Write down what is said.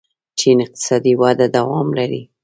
چین اقتصادي وده دوام لري.